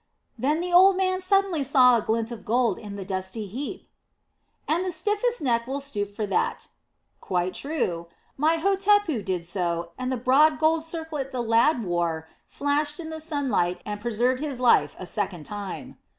"Then the old man suddenly saw a glint of gold in the dusty heap." "And the stiffest neck will stoop for that." "Quite true. My Hotepu did so, and the broad gold circlet the lad wore flashed in the sunlight and preserved his life a second time."